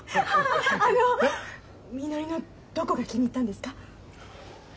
あのみのりのどこが気に入ったんですか？